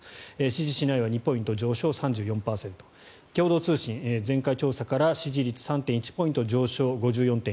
支持しないは２ポイント上昇共同通信、前回調査から支持率３．１ポイント上昇５４．１％。